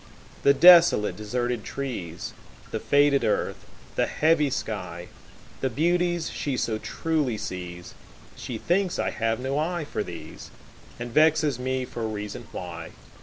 The desolate, deserted trees, The faded earth, the heavy sky, The beauties she so truly sees, She thinks I have no eye for these, And vexes me for reason why.